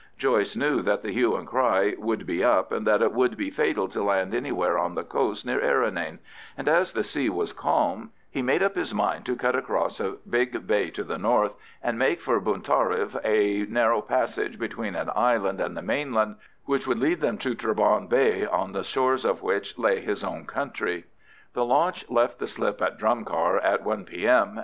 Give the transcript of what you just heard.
Joyce knew that the hue and cry would be up, and that it would be fatal to land anywhere on the coast near Errinane; and as the sea was calm, he made up his mind to cut across a big bay to the north and make for Buntarriv, a narrow passage between an island and the mainland, which would lead them to Trabawn Bay, on the shores of which lay his own country. The launch left the slip at Drumcar at 1 P.M.